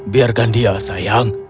biarkan dia sayang